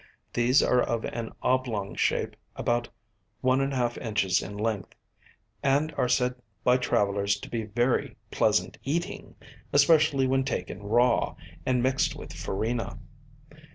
These are of an oblong shape about 1½ in. in length, and are said by travellers to be very pleasant eating, especially when taken raw, and mixed with farina.